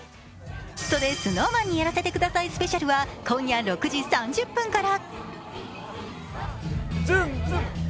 「それＳｎｏｗＭａｎにやらせて下さいスペシャル」は今夜６時３０分から。